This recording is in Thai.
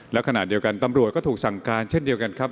และขณะเดียวกันตำรวจก็ถูกสั่งการเช่นเดียวกันครับ